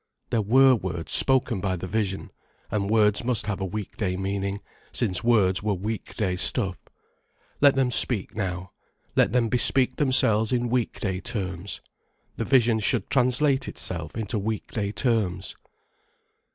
There were words spoken by the vision: and words must have a weekday meaning, since words were weekday stuff. Let them speak now: let them bespeak themselves in weekday terms. The vision should translate itself into weekday terms.